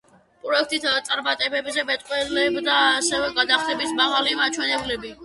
პროექტის წარმატებაზე მეტყველებდა ასევე გადახდების მაღალი მაჩვენებლები.